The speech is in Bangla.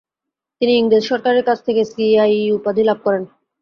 তিনি ইংরেজ সরকারের কাছ থেকে সি আই ই উপাধি লাভ করেন।